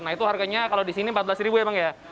nah itu harganya kalau di sini rp empat belas ya bang ya